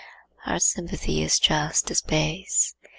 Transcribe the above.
Our sympathy is just as base.